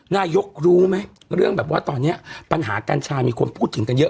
นายกรู้ไหมเรื่องแบบว่าตอนนี้ปัญหากัญชามีคนพูดถึงกันเยอะ